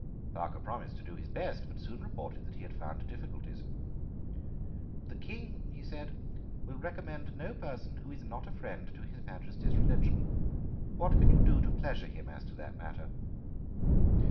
Parker promised to do his best, but soon reported that he had found difficulties. "The King," he said, "will recommend no person who is not a friend to His Majesty's religion. What can you do to pleasure him as to that matter?"